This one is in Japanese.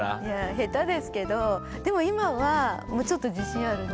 下手ですけどでも今はもうちょっと自信あるね。